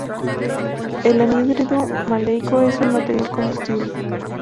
El anhídrido maleico es un material combustible.